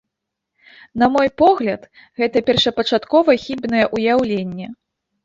На мой погляд, гэта першапачаткова хібнае ўяўленне.